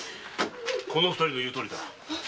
この二人の言うとおりだ。